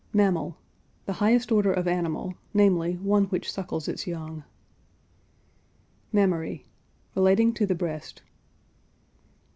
MAMMAL. The highest order of animal, namely, one which suckles its young. MAMMARY. Relating to the breast.